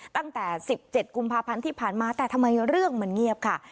ตั้งแต่๑๗กุมภาพันธ์ที่ผ่านมาแต่ทำไมเรื่องมันเงียบค่ะ